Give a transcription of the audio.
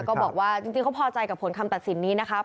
ก็บอกว่าจริงเขาพอใจกับผลคำตัดสินนี้นะครับ